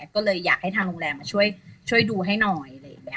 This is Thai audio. ก็เลยอยากให้ทางโรงแรมมาช่วยดูให้หน่อย